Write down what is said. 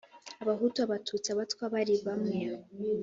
Abahutu, Abatutsi, Abatwa, bari bamwe